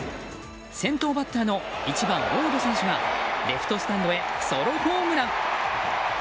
先頭バッターの１番、ウォード選手がレフトスタンドへソロホームラン。